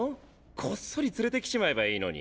こっそり連れて来ちまえばいいのに。